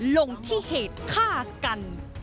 ลงที่เหตุฆ่ากัน